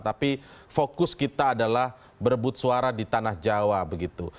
tapi fokus kita adalah berebut suara di tanah jawa begitu